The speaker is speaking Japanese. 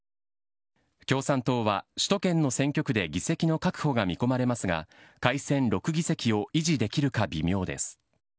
共産党は首都圏の選挙区で議席の確保が見込まれますが、改選６議席を維持できるか微妙です。